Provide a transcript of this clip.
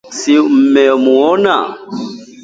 Si mmemuona